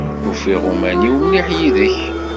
Ufiɣ uman-iw mliḥ yid-k.